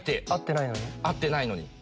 会ってないのに。